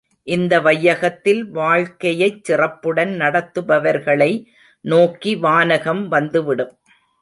இந்த வையகத்தில் வாழ்க்கையைச் சிறப்புடன் நடத்துபவர்களை நோக்கி வானகம் வந்துவிடும்.